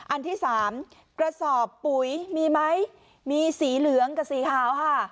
อันที่สามกระสอบปุ๋ยมีไหมมีสีเหลืองกับสีขาวค่ะ